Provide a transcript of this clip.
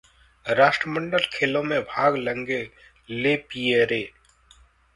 राष्ट्रमंडल खेलों में भाग लेंगे लेपियरे